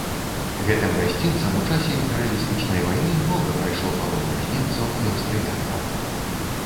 Гэтым гасцінцам у часе імперыялістычнай вайны многа прайшло палонных немцаў і аўстрыякаў.